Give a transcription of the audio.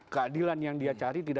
keadilan yang dia cari